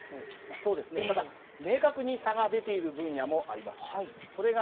そうですね、ただ明確に差が出ている分野もあります。